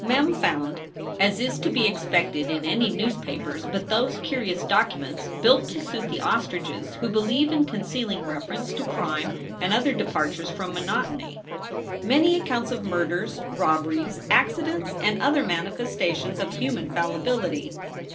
Mem found (as is to be expected in any newspapers but those curious documents built to suit the ostriches who believe in concealing reference to crime and other departures from monotony) many accounts of murders, robberies, acci dents, and other manifestations of human fallibility.